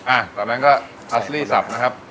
อ่ะต่างนั้นก็พัสต์หรี่ศัพท์นะครับ